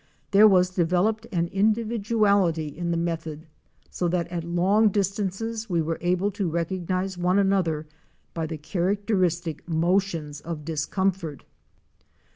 There was developed an individuality in the method so that at long distances we were able to recognize one another by the characteristic motions of discomfort!